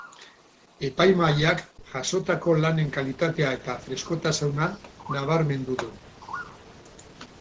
Epaimahaiak jasotako lanen kalitatea eta freskotasuna nabarmendu du.